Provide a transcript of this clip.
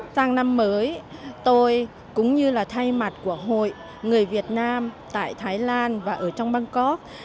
sang năm mới tôi cũng như là thay mặt của hội người việt nam tại thái lan và ở trong bangkok